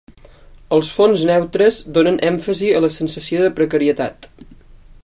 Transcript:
Els fons neutres donen èmfasi a la sensació de precarietat.